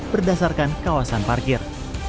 berdasarkan kawasan parkir